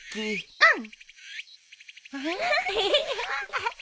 うん。